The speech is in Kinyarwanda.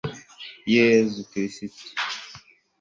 yezu kristu